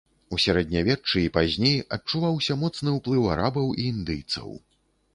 У сярэднявеччы і пазней адчуваўся моцны ўплыў арабаў і індыйцаў.